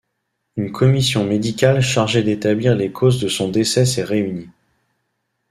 Une commission médicale chargé d'établir les causes de son décès s’est réunie.